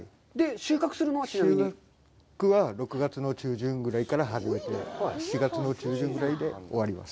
収穫は６月中旬ぐらいから始めて、７月の中旬ぐらいで終わります。